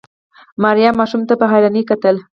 ماريا ماشوم ته په حيرانۍ کتل.